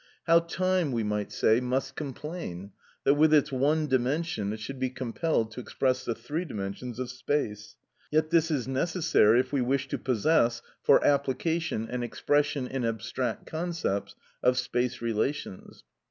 How time, we might say, must complain, that with its one dimension it should be compelled to express the three dimensions of space! Yet this is necessary if we wish to possess, for application, an expression, in abstract concepts, of space relations.